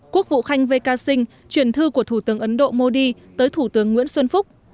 quốc vụ khanh vk singh truyền thư của thủ tướng ấn độ modi tới thủ tướng nguyễn xuân phúc